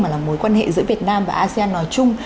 mà là mối quan hệ giữa việt nam và asean nói chung